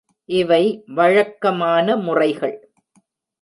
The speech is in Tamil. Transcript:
இவை வழக்கமான முறைகள்.